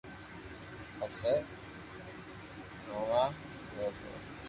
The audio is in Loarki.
پسي گومئوا گيو تو